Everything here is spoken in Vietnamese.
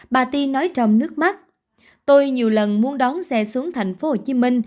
bà ti nói trong nước mắt tôi nhiều lần muốn đón xe xuống tp hcm